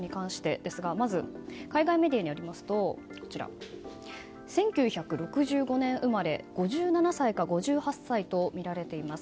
まず海外メディアによりますと１９６５年生まれ５７歳か５８歳とみられています。